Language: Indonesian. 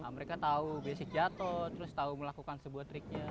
mereka tahu basic jatuh terus tahu melakukan sebuah triknya